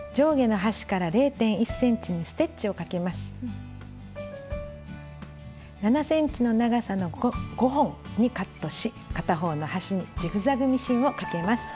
７ｃｍの長さの５本にカットし片方の端にジグザグミシンをかけます。